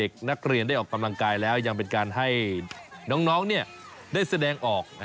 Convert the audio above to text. เด็กนักเรียนได้ออกกำลังกายแล้วยังเป็นการให้น้องได้แสดงออก